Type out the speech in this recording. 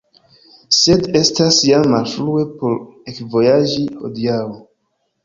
Sed estas jam malfrue por ekvojaĝi hodiaŭ.